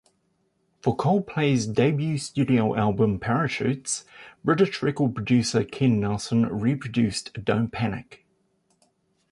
For Coldplay's debut studio album "Parachutes", British record producer Ken Nelson re-produced "Don't Panic".